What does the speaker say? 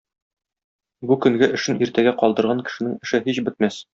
Бу көнге эшен иртәгә калдырган кешенең эше һич бетмәс.